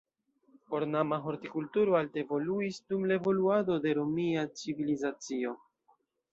Ornama hortikulturo alte evoluis dum la evoluado de romia civilizacio.